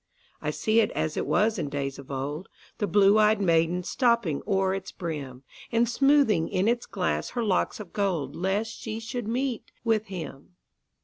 I see it as it was in days of old, The blue ey'd maiden stooping o'er its brim, And smoothing in its glass her locks of gold, Lest she should meet with him.